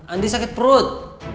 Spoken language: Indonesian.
andi sakit perut